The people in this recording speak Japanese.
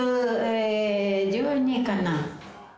１２かな。